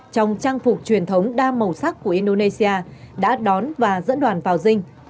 trong trang phục truyền thống đa màu sắc của indonesia đã đón và dẫn đoàn vào dinh